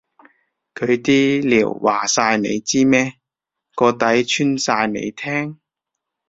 佢啲料話晒你知咩？個底穿晒你聽？